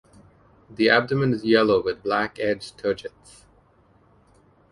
The abdomen is yellow with black-edged tergites.